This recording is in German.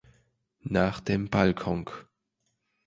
Nach den Balkonk